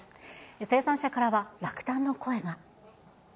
生産者からは落胆の声が。